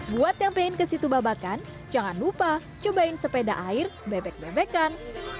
buat yang pengen ke situ babakan jangan lupa cobain sepeda air bebek bebekan